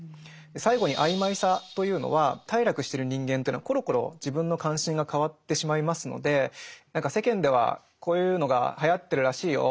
最後に「曖昧さ」というのは頽落してる人間というのはコロコロ自分の関心が変わってしまいますので「何か世間ではこういうのがはやってるらしいよ。